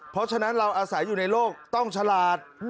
เพราะฉะนั้นเราอาศัยอยู่ในโลกต้องฉลาด